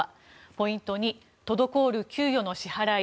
ポイント２、滞る給与の支払い。